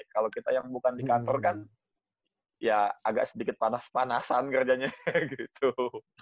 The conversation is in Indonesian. kalau kita yang bukan di kantor kan ya agak sedikit panas panasan kerjanya gitu